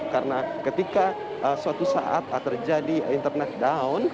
karena ketika suatu saat terjadi internet down